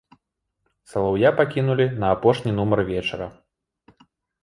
Салаўя пакінулі на апошні нумар вечара.